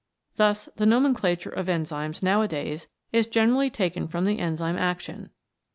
Thus the nomenclature of enzymes nowadays is generally taken from the enzyme action.